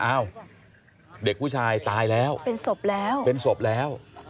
อ้าวเด็กผู้ชายตายแล้วเป็นศพแล้ว